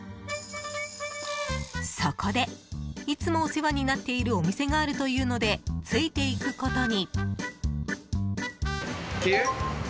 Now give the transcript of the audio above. そこでいつもお世話になっているお店があるというのでついていくことに。